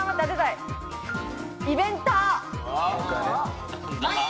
イベンター。